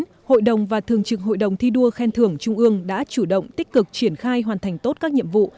năm hai nghìn một mươi chín hội đồng và thường trực hội đồng thi đua khen thưởng trung ương đã chủ động tích cực triển khai hoàn thành tốt các nhiệm vụ